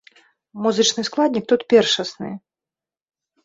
Музычны складнік тут першасны.